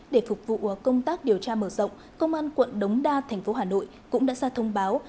để phục vụ công tác điều tra mở rộng công an quận đống đa thành phố hà nội cũng đã ra thông báo